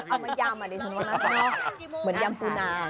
เอามายำอ่ะดิฉันว่าน่าจะเหมือนยำปูนา